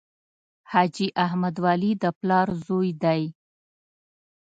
حاجي احمد ولي د پلار زوی دی.